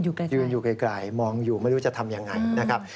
ยืนอยู่ไกลมองอยู่ไม่รู้จะทำยังไงนะครับ